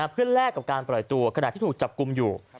เพื่อแลกกับการปล่อยตัวขณะที่ถูกจับกลุ่มอยู่